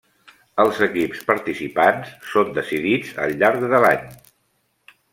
Els equips participants són decidits al llarg de l'any.